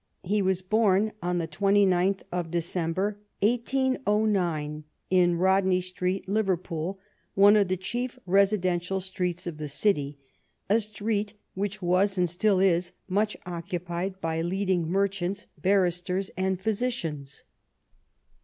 He was born on the 29th of December, 1809, in Rodney Street, Liverpool, one of the chief residential streets of the city — a street which was, and still is, much occupied by leading merchants, barristers, and physicians.